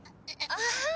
ああ。